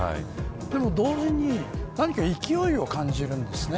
でも同時に何か勢いを感じるんです。